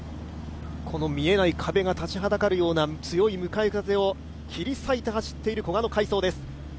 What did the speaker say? この見えない壁が立ちはだかるような強い向かい風を切り裂いて走っている古賀の快走です。